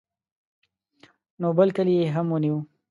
نو بل کلی یې هم ونیو.